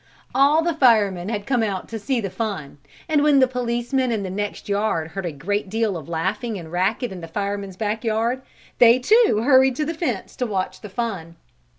] All the firemen had come out to see the fun and when the policemen in the next yard heard a great deal of laughing and racket in the fireman's back yard, they too hurried to the fence and watched the fun.